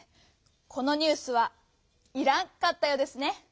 このニュースは「いらん」かったようですね！